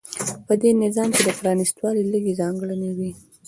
په دې نظام کې د پرانېستوالي لږې ځانګړنې وې.